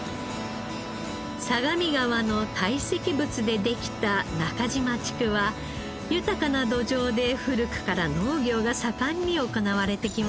相模川の堆積物でできた中島地区は豊かな土壌で古くから農業が盛んに行われてきました。